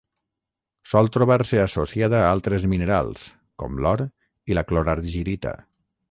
Sol trobar-se associada a altres minerals com l'or i la clorargirita.